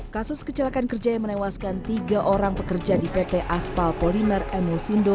kasus kecelakaan kerja yang menewaskan tiga orang pekerja di pt aspal polimer emil sindo